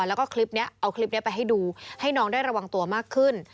แล้วก็คลิปนี้เอาคลิปนี้ไปให้ดูให้น้องได้ระวังตัวมากขึ้น